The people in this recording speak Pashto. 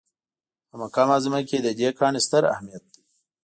په مکه معظمه کې د دې کاڼي ستر اهمیت دی.